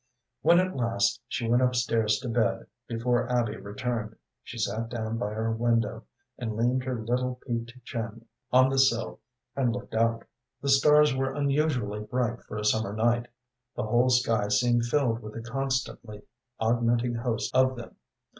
When at last she went up stairs to bed, before Abby returned, she sat down by her window, and leaned her little, peaked chin on the sill and looked out. The stars were unusually bright for a summer night; the whole sky seemed filled with a constantly augmenting host of them.